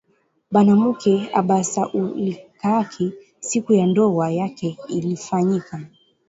Banamuke abasaulikaki siku ya ndowa yake ilifanyika